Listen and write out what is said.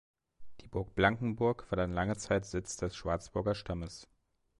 Die Burg Blankenburg war dann lange Zeit Sitz des Schwarzburger Stammes.